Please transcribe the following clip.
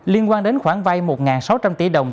liên quan đến khoảng vay một sáu trăm linh triệu đồng